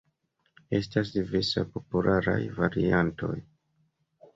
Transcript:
Estas diversaj popularaj variantoj.